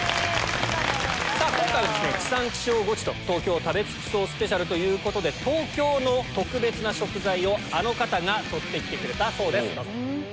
今回「地産地消ゴチ東京を食べ尽くそうＳＰ」ということで東京の特別な食材をあの方が取って来てくれたそうです。